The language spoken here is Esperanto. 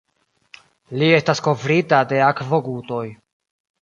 Li estas kovrita de akvogutoj.